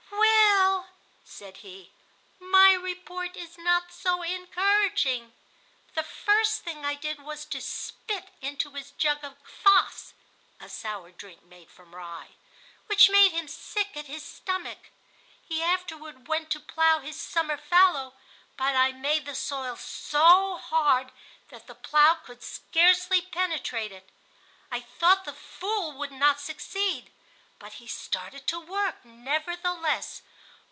"Well," said he, "my report is not so encouraging. The first thing I did was to spit into his jug of quass [a sour drink made from rye], which made him sick at his stomach. He afterward went to plow his summer fallow, but I made the soil so hard that the plow could scarcely penetrate it. I thought the Fool would not succeed, but he started to work nevertheless.